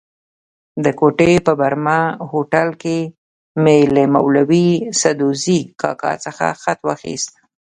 د کوټې په برمه هوټل کې مې له مولوي سدوزي کاکا څخه خط واخیست.